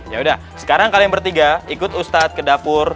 yaudah sekarang kalian bertiga ikut ustadz ke dapur